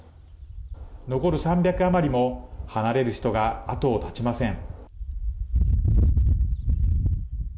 残る３００余りも離れる人が後を絶ちません。